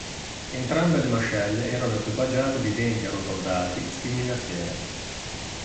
Entrambe le mascelle erano equipaggiate di denti arrotondati, simili a sfere.